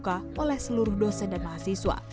maka lebih rata dibuka oleh seluruh dosen dan mahasiswa